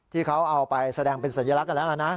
ที่เขาเอาไปแสดงเป็นสัญลักษณ์แล้วนะ